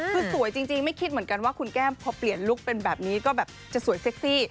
คือสวยจริงไม่คิดเหมือนกันว่าคุณแก้มพอเปลี่ยนลุคเป็นแบบนี้ก็แบบจะสวยเซ็กซี่